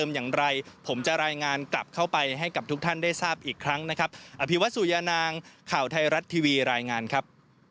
มากับเรือด้วยครับ